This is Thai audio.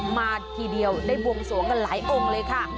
มาทีเดียวได้บวงสวงกันหลายองค์เลยค่ะ